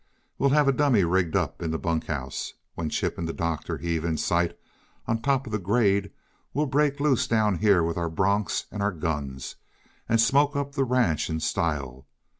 "We'll have a dummy rigged up in the bunk house. When Chip and the doctor heave in sight on top of the grade, we'll break loose down here with our bronks and our guns, and smoke up the ranch in style.